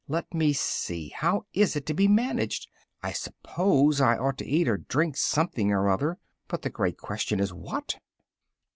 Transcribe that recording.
Let me see; how is it to be managed? I suppose I ought to eat or drink something or other, but the great question is what?"